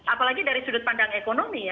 apalagi dari sudut pandang ekonomi ya